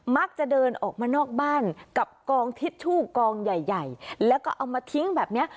มักจะเดินออกมานอกบ้านกับกองทิชชู่กองใหญ่ใหญ่แล้วก็เอามาทิ้งแบบเนี้ย